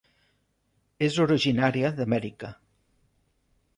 És originària d'Amèrica.